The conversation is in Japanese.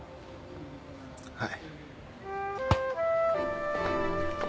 はい。